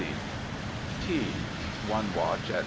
TEA. One watch at 6.